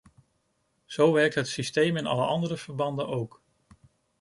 Zo werkt het systeem in alle andere verbanden ook.